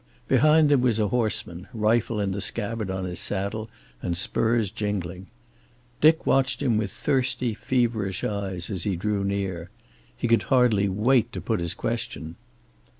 Behind them was a horseman, rifle in the scabbard on his saddle and spurs jingling. Dick watched him with thirsty, feverish eyes as he drew near. He could hardly wait to put his question.